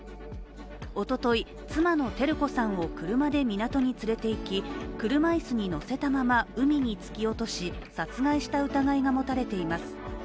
おととい、妻の照子さんを車で港に連れて行き車椅子に乗せたまま海に突き落とし殺害した疑いが持たれています。